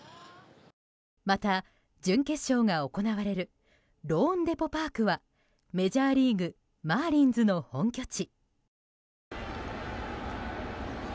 また、準決勝が行われるローンデポ・パークはメジャーリーグマーリンズの本拠地。